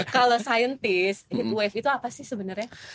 kalau scientist heat wave itu apa sih sebenarnya